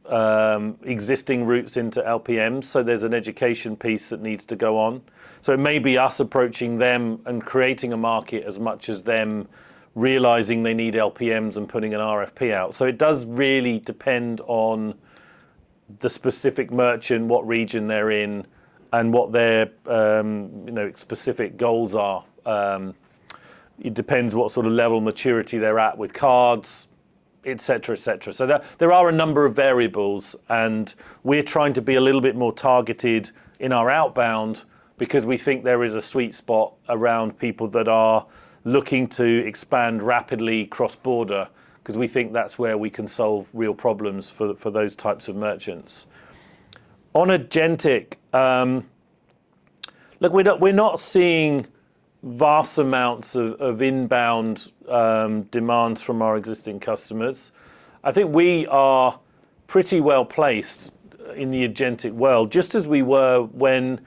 [SPEAKER 2] existing routes into LPMs, so there's an education piece that needs to go on. It may be us approaching them and creating a market as much as them realizing they need LPMs and putting an RFP out. It does really depend on the specific merchant, what region they're in, and what their, you know, specific goals are. It depends what sort of level maturity they're at with cards, et cetera, et cetera. There are a number of variables, and we're trying to be a little bit more targeted in our outbound because we think there is a sweet spot around people that are looking to expand rapidly cross-border, 'cause we think that's where we can solve real problems for those types of merchants. On agentic, look, we're not seeing vast amounts of inbound demands from our existing customers. I think we are pretty well-placed in the agentic world, just as we were when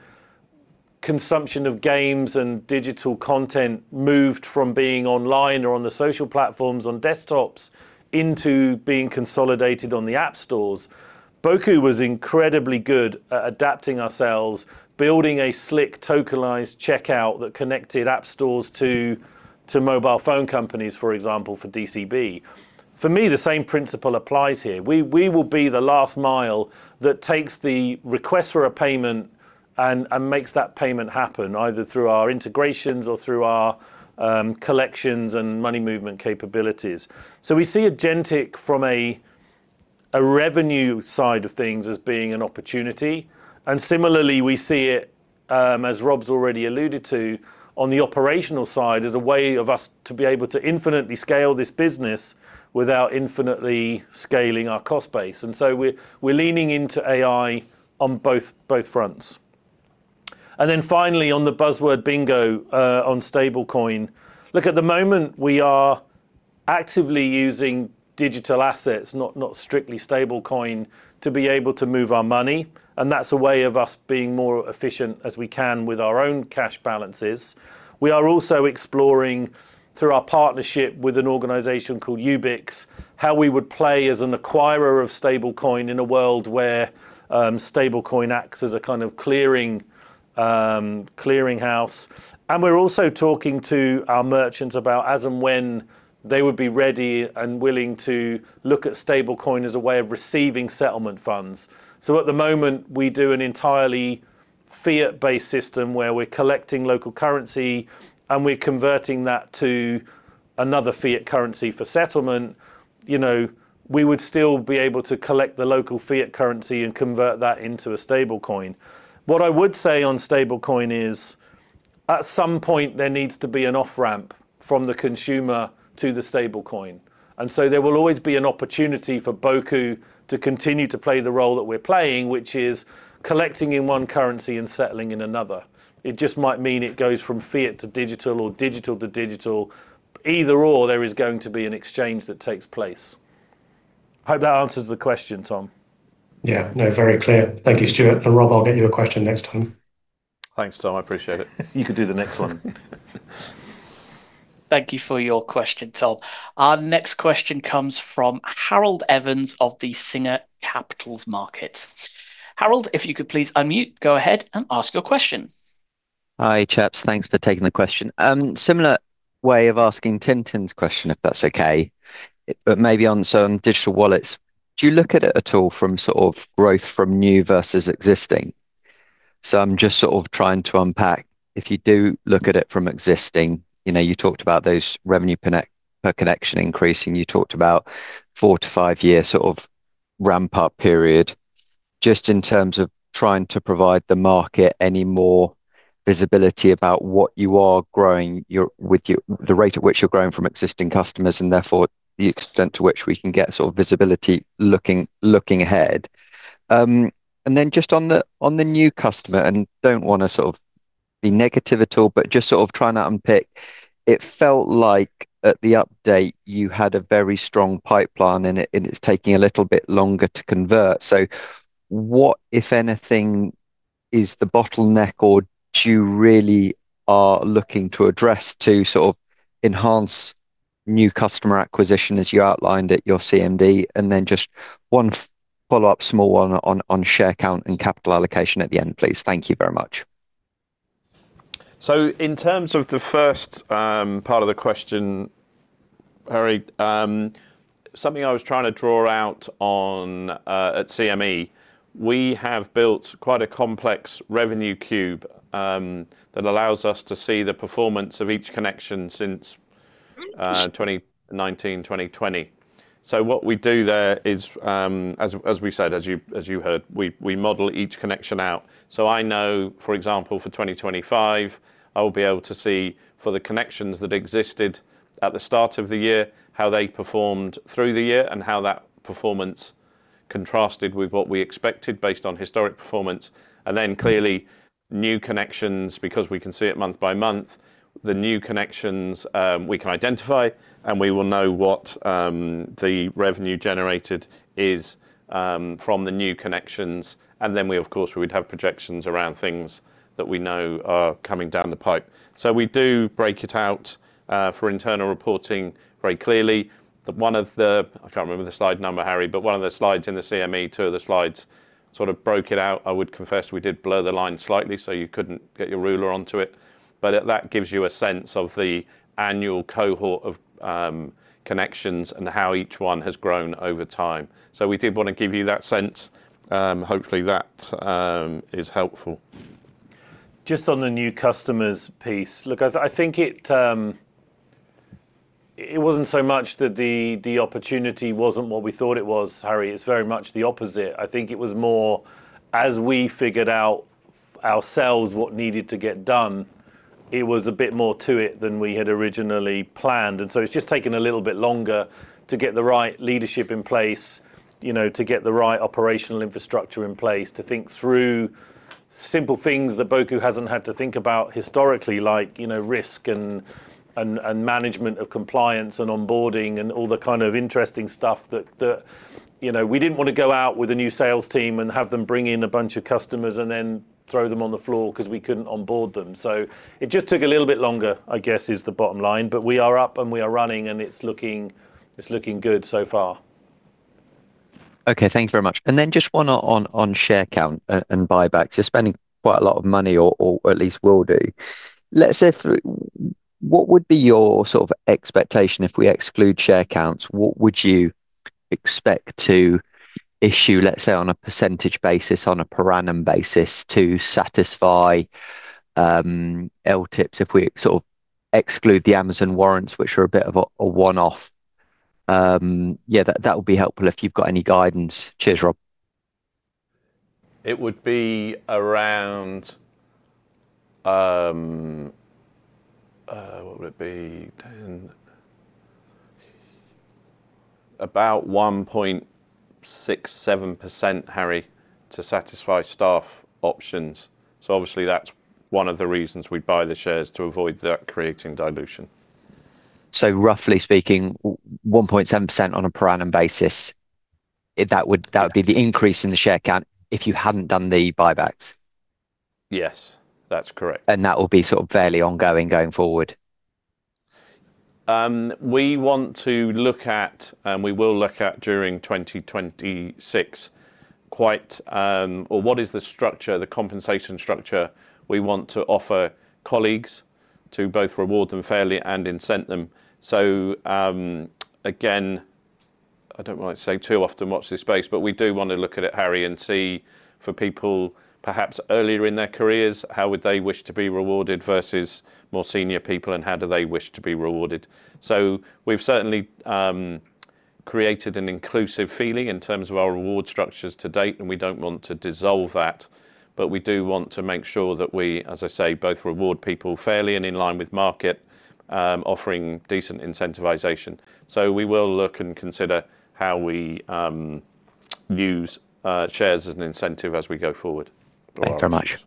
[SPEAKER 2] consumption of games and digital content moved from being online or on the social platforms on desktops into being consolidated on the app stores. Boku was incredibly good at adapting ourselves, building a slick tokenized checkout that connected app stores to mobile phone companies, for example, for DCB. For me, the same principle applies here. We will be the last mile that takes the request for a payment and makes that payment happen either through our integrations or through our collections and money movement capabilities. We see agentic from a revenue side of things as being an opportunity. Similarly, we see it, as Rob's already alluded to, on the operational side as a way of us to be able to infinitely scale this business without infinitely scaling our cost base. We're leaning into AI on both fronts. Then finally on the buzzword bingo on stablecoin. Look, at the moment, we are actively using digital assets, not strictly stablecoin, to be able to move our money, and that's a way of us being more efficient as we can with our own cash balances. We are also exploring through our partnership with an organization called Ubyx, how we would play as an acquirer of stablecoin in a world where stablecoin acts as a kind of clearing house. We're also talking to our merchants about as and when they would be ready and willing to look at stablecoin as a way of receiving settlement funds. At the moment, we do an entirely fiat-based system where we're collecting local currency and we're converting that to another fiat currency for settlement. You know, we would still be able to collect the local fiat currency and convert that into a stablecoin. What I would say on stablecoin is, at some point, there needs to be an off-ramp from the consumer to the stablecoin. There will always be an opportunity for Boku to continue to play the role that we're playing, which is collecting in one currency and settling in another. It just might mean it goes from fiat to digital or digital to digital. Either or, there is going to be an exchange that takes place. Hope that answers the question, Tom.
[SPEAKER 8] Yeah. No, very clear. Thank you, Stuart. Rob, I'll get you a question next time.
[SPEAKER 3] Thanks, Tom. I appreciate it.
[SPEAKER 2] You can do the next one.
[SPEAKER 1] Thank you for your question, Tom. Our next question comes from Harold Evans of the Singer Capital Markets. Harold, if you could please unmute, go ahead and ask your question.
[SPEAKER 9] Hi, chaps. Thanks for taking the question. Similar way of asking Tintin's question, if that's okay, but maybe on some digital wallets. Do you look at it at all from sort of growth from new versus existing? I'm just sort of trying to unpack, if you do look at it from existing, you know, you talked about those revenue per connection increasing, you talked about four to five year sort of ramp-up period. Just in terms of trying to provide the market any more visibility about what you are growing, the rate at which you're growing from existing customers, and therefore, the extent to which we can get sort of visibility looking ahead. Just on the new customer, and don't wanna sort of be negative at all, but just sort of trying to unpick. It felt like at the update you had a very strong pipeline, and it's taking a little bit longer to convert. What, if anything, is the bottleneck, or do you really are looking to address to sort of enhance new customer acquisition as you outlined at your CMD? Just one follow-up small one on share count and capital allocation at the end, please. Thank you very much.
[SPEAKER 3] In terms of the first part of the question, Harry, something I was trying to draw out on at CMD, we have built quite a complex revenue cube that allows us to see the performance of each connection since 2019, 2020. What we do there is, as we said, as you heard, we model each connection out. I know, for example, for 2025, I'll be able to see for the connections that existed at the start of the year, how they performed through the year, and how that performance contrasted with what we expected based on historic performance. Then clearly, new connections, because we can see it month by month, the new connections we can identify, and we will know what the revenue generated is from the new connections. We, of course, we'd have projections around things that we know are coming down the pipe. We do break it out for internal reporting very clearly. I can't remember the slide number, Harry, but one of the slides in the CMD, two of the slides sort of broke it out. I would confess we did blur the line slightly, so you couldn't get your ruler onto it. That gives you a sense of the annual cohort of connections and how each one has grown over time. We did wanna give you that sense, hopefully that is helpful.
[SPEAKER 2] Just on the new customers piece. Look, I think it wasn't so much that the opportunity wasn't what we thought it was, Harry. It's very much the opposite. I think it was more as we figured out ourselves what needed to get done, it was a bit more to it than we had originally planned. It's just taken a little bit longer to get the right leadership in place, you know, to get the right operational infrastructure in place, to think through simple things that Boku hasn't had to think about historically, like, you know, risk and management of compliance and onboarding and all the kind of interesting stuff that, you know. We didn't wanna go out with a new sales team and have them bring in a bunch of customers and then throw them on the floor 'cause we couldn't onboard them. It just took a little bit longer, I guess, is the bottom line. We are up, and we are running, and it's looking good so far.
[SPEAKER 9] Okay. Thank you very much. Then just one on share count and buybacks. You're spending quite a lot of money or at least will do. Let's say. What would be your sort of expectation if we exclude share counts? What would you expect to issue, let's say, on a percentage basis, on a per annum basis to satisfy LTIPs if we sort of exclude the Amazon warrants, which are a bit of a one-off? Yeah, that would be helpful if you've got any guidance. Cheers, Rob.
[SPEAKER 3] It would be around, what would it be? 10. About 1.67%, Harry, to satisfy staff options. Obviously that's one of the reasons we buy the shares to avoid that creating dilution.
[SPEAKER 9] Roughly speaking, 1.7% on a per annum basis, that would be the increase in the share count if you hadn't done the buybacks?
[SPEAKER 3] Yes, that's correct.
[SPEAKER 9] That will be sort of fairly ongoing going forward?
[SPEAKER 3] We want to look at, and we will look at during 2026, quite or what is the structure, the compensation structure we want to offer colleagues to both reward them fairly and incent them. Again, I don't wanna say too often watch this space, but we do wanna look at it, Harry, and see for people perhaps earlier in their careers, how would they wish to be rewarded versus more senior people and how do they wish to be rewarded. We've certainly created an inclusive feeling in terms of our reward structures to date, and we don't want to dissolve that, but we do want to make sure that we, as I say, both reward people fairly and in line with market, offering decent incentivization. We will look and consider how we use shares as an incentive as we go forward.
[SPEAKER 9] Thanks very much.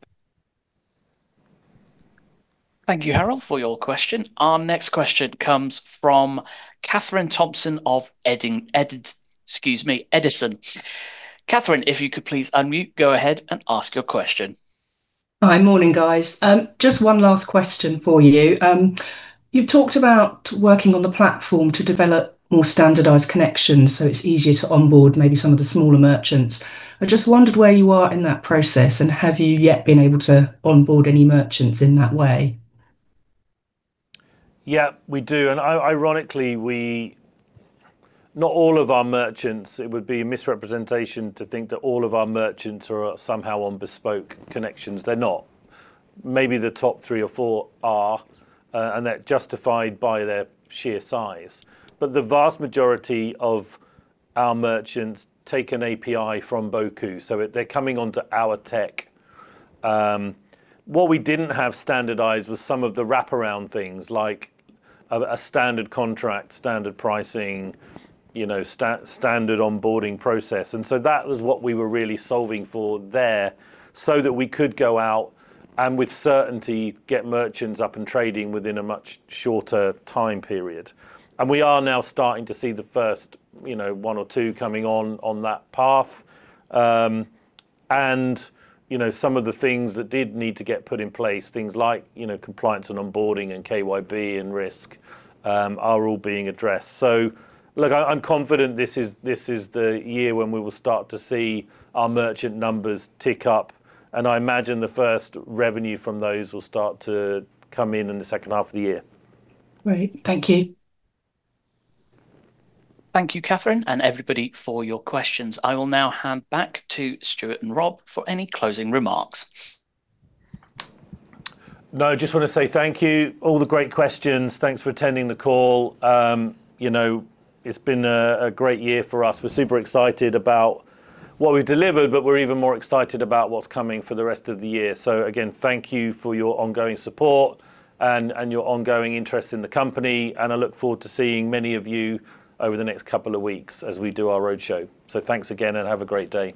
[SPEAKER 1] Thank you, Harold, for your question. Our next question comes from Katherine Thompson of Edison. Catherine, if you could please unmute, go ahead and ask your question.
[SPEAKER 10] Hi. Morning, guys. Just one last question for you. You've talked about working on the platform to develop more standardized connections so it's easier to onboard maybe some of the smaller merchants. I just wondered where you are in that process, and have you yet been able to onboard any merchants in that way?
[SPEAKER 2] Yeah, we do. Ironically, not all of our merchants, it would be a misrepresentation to think that all of our merchants are somehow on bespoke connections. They're not. Maybe the top three or four are, and they're justified by their sheer size. The vast majority of our merchants take an API from Boku, so they're coming onto our tech. What we didn't have standardized was some of the wraparound things like a standard contract, standard pricing, you know, standard onboarding process. That was what we were really solving for there so that we could go out and, with certainty, get merchants up and trading within a much shorter time period. We are now starting to see the first, you know, one or two coming on that path. You know, some of the things that did need to get put in place, things like, you know, compliance and onboarding and KYB and risk, are all being addressed. Look, I'm confident this is the year when we will start to see our merchant numbers tick up, and I imagine the first revenue from those will start to come in in the second half of the year.
[SPEAKER 10] Great. Thank you.
[SPEAKER 1] Thank you, Katherine, and everybody for your questions. I will now hand back to Stuart and Rob for any closing remarks.
[SPEAKER 2] No, I just wanna say thank you. All the great questions. Thanks for attending the call. You know, it's been a great year for us. We're super excited about what we've delivered, but we're even more excited about what's coming for the rest of the year. Again, thank you for your ongoing support and your ongoing interest in the company, and I look forward to seeing many of you over the next couple of weeks as we do our roadshow. Thanks again, and have a great day.